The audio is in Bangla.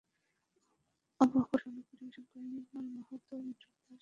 আবহ সংগীত পরিবেশন করেন নির্মল মাহাতো, মিঠু দাস, রাশিয়ান চন্দ্র, আশিকুর রহমান।